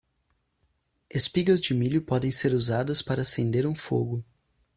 Espigas de milho podem ser usadas para acender um fogo.